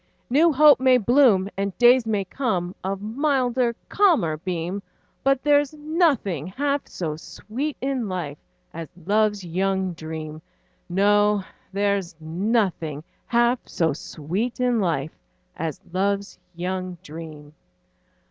New hope may bloom, And days may come, Of milder, calmer beam, But there's nothing half so sweet in life As love's young dream; No, there's nothing half so sweet in life As love's young dream.